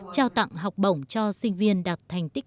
trao tặng học bổng cho sinh viên đạt thành tích